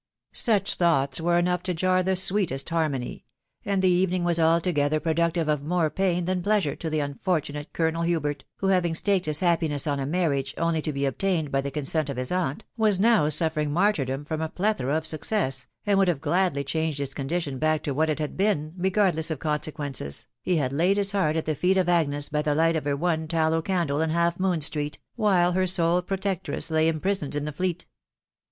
Such thoughts were enough to i«e VSaa wfta& harmony; Mad the erening was altogether \rcoAutfxre dl tom» vtaft.~ THE WIDOW BARNABY. 445 pleasure to the unfortunate Colonel Hubert, who haying staked his happiness on a marriage, only to be obtained by the con sent of his aunt, was now suffering martyrdom from a plethora of success, and would have gladly changed his condition back to what it had been when, regardless of consequences, he had laid his heart at the feet of Agnes by the light of her one tallow candle in Half moon Street, while her sole protectress lay imprisoned in the Fleet.